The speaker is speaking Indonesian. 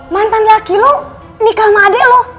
mantan laki lo nikah sama adik lo